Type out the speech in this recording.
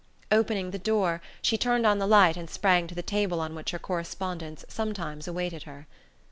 Opening the door, she turned on the light and sprang to the table on which her correspondence sometimes awaited her.